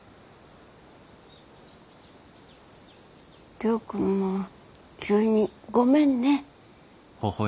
亮君も急にごめんね。